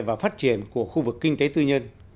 và phát triển của khu vực kinh tế tư nhân